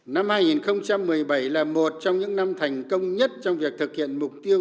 năm hai nghìn một mươi bảy là một trong những năm thành công nhất trong việc thực hiện mục tiêu